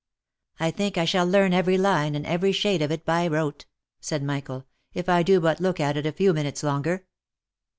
" I think I shall learn every line, and every shade of it by rote," said Michael, " if I do but look at it a few minutes longer.